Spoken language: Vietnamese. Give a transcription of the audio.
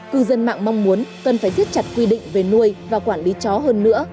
cư dân mạng mong muốn cần phải siết chặt quy định về nuôi và quản lý chó hơn nữa